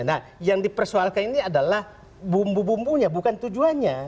nah yang dipersoalkan ini adalah bumbu bumbunya bukan tujuannya